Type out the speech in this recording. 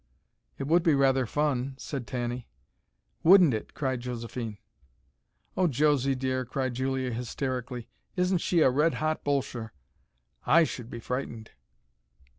"It would be rather fun," said Tanny. "Wouldn't it!" cried Josephine. "Oh, Josey, dear!" cried Julia hysterically. "Isn't she a red hot Bolsher! I should be frightened."